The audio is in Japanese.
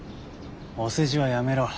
お世辞はやめろ。